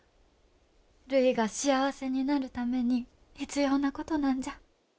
るいが幸せになるために必要なことなんじゃ。